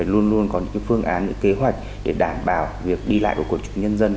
luôn luôn có những phương án kế hoạch để đảm bảo việc đi lại của cộng trực nhân dân